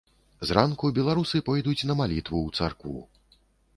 Зранку беларусы пойдуць на малітву ў царкву.